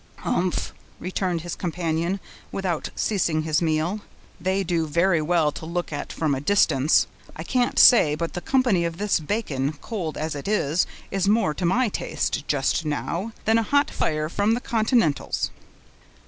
"Umph!" returned his companion, without ceasing his meal, "they do very well to look at from a distance; I can't say but the company of this bacon, cold as it is, is more to my taste, just now, than a hot fire from the continentals."